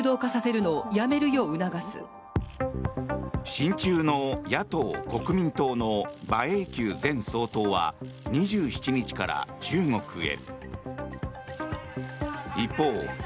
親中の野党・国民党の馬英九前総統は２７日から中国へ。